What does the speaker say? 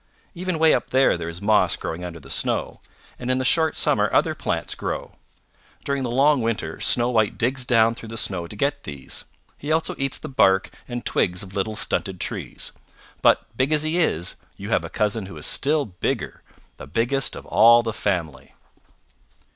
"Even way up there there is moss growing under the snow. And in the short summer other plants grow. During the long winter Snow White digs down through the snow to get these. He also eats the bark and twigs of little stunted trees. But big as he is, you have a cousin who is still bigger, the biggest of all the family."